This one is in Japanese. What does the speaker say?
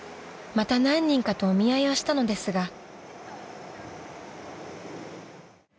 また何人かとお見合いをしたのですが］